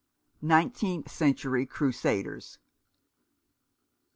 NINETEENTH CENTURY CRUSADERS.